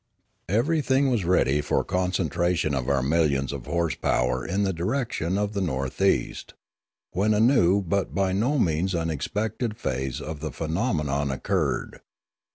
Everything was ready for the concentration of our millions of horse power in the direction of the north east, when a new but by no means unexpected phase of the phenomenon occurred.